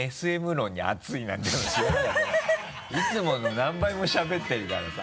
いつもの何倍もしゃべってるからさ。